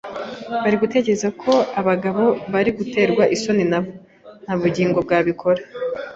bari gutekereza ko abagabo bari guterwa isoni nabo - nta bugingo bwabikora